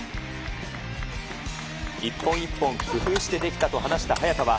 一本一本工夫してできたと話した早田は、